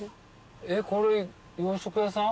これ洋食屋さん？